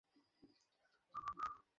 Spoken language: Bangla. আঙ্কেল, এক মিনিট থামুন।